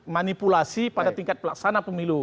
manipulasi pada tingkat pelaksana pemilu